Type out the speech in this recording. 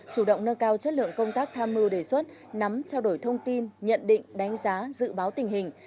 chủ động nâng cao chất lượng công tác tham mưu đề xuất nắm trao đổi thông tin nhận định đánh giá dự báo tình hình